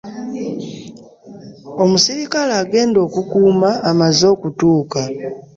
Omusirikale agenda okukuuma amaze okutuuka.